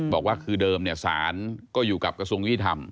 บอกว่าคือเดิมศาลก็อยู่กับกระทรวงยุติธรรม